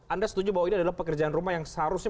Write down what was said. anda setuju bahwa ini adalah pekerjaan rumah yang seharusnya